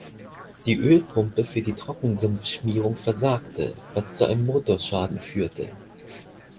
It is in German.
Die Ölpumpe für die Trockensumpfschmierung versagte, was zu einem Motorschaden führte.